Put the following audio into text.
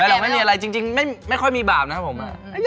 เราไม่มีอะไรจริงไม่ค่อยมีบาปนะครับผม